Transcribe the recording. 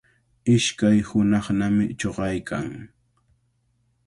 Ishkay hunaqnami chuqaykan.